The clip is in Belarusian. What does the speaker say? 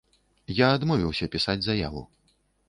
Я адмовіўся пісаць заяву.